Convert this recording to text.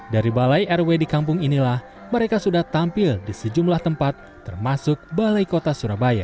dari balai rw di kampung inilah mereka sudah tampil di sejumlah tempat termasuk balai kota surabaya